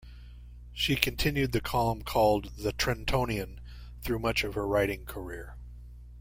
She continued the column, called "The Trentonian", through much of her writing career.